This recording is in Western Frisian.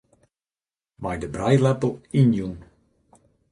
Mei de brijleppel ynjûn.